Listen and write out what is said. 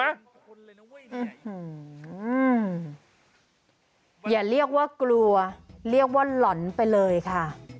ขอบคุณเลยนะอย่าเรียกว่ากลัวเรียกว่าหล่อนไปเลยค่ะ